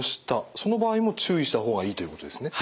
その場合も注意した方がいいということですね。